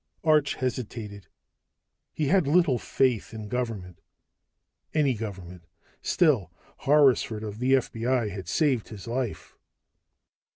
Arch hesitated. He had little faith in government ... any government. Still Horrisford of the FBI had saved his life.